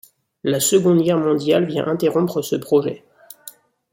La Seconde Guerre mondiale vient interrompre ce projet.